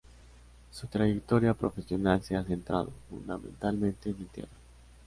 Su trayectoria profesional se ha centrado fundamentalmente en el teatro.